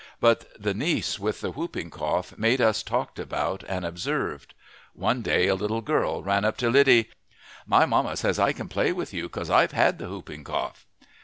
But the niece with the whooping cough made us talked about and observed. One day a little girl ran up to Lydie. "My mamma says I can play with you, 'cause I've had the whooping cough!"